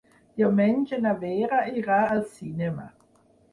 Diumenge na Vera irà al cinema.